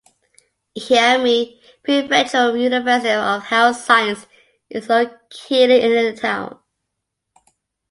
Ehime Prefectural University of Health Science is located in the town.